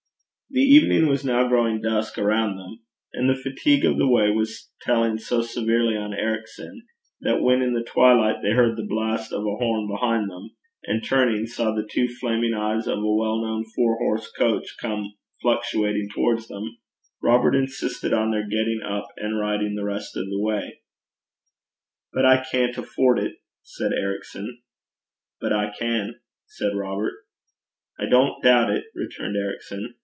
The evening was now growing dusk around them, and the fatigue of the day was telling so severely on Ericson, that when in the twilight they heard the blast of a horn behind them, and turning saw the two flaming eyes of a well known four horse coach come fluctuating towards them, Robert insisted on their getting up and riding the rest of the way. 'But I can't afford it,' said Ericson. 'But I can,' said Robert. 'I don't doubt it,' returned Ericson.